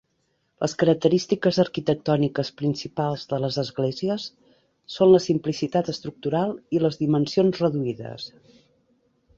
Les característiques arquitectòniques principals de les esglésies són la simplicitat estructural i les dimensions reduïdes.